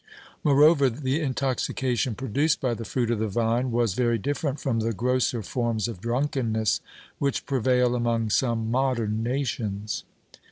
Moreover, the intoxication produced by the fruit of the vine was very different from the grosser forms of drunkenness which prevail among some modern nations.